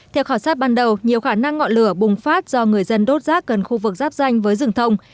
theo khảo sát ban đầu nhiều khả năng ngọn lửa bùng phát do người dân đốt rác gần khu vực giáp danh với rừng thông